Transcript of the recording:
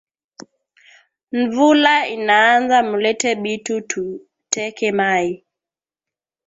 Nvula inaanza mulete bitu tu teke mayi